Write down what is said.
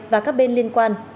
và các bên liên quan